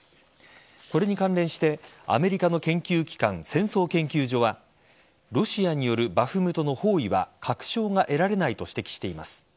これに関連してアメリカの研究機関戦争研究所はロシアによるバフムトの包囲は確証が得られないと指摘しています。